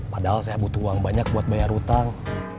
padahal saya butuh uang banyak buat bayar utang